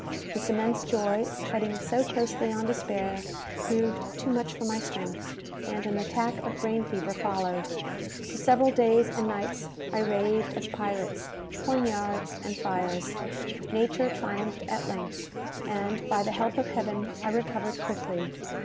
This immense joy, treading so closely on despair, proved too much for my strength, and an attack of brain fever followed. For several days and nights I raved of pirates, poignards, and fires. Nature triumphed at length; and, by the help of Heaven, I recovered quickly.